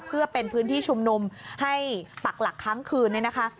เพื่อเป็นพื้นที่ชุมนุมให้ปักหลักครั้งคืนเนี่ยนะคะ